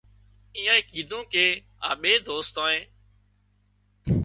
اينانئي ڪيڌون ڪي آ ٻي دوستانئي